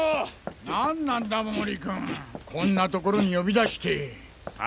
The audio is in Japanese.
何なんだ毛利君こんな所に呼び出して。